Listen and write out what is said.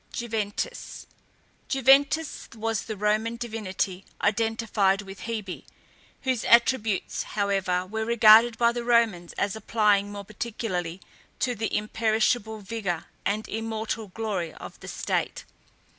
JUVENTAS. Juventas was the Roman divinity identified with Hebe, whose attributes, however, were regarded by the Romans as applying more particularly to the imperishable vigour and immortal glory of the state.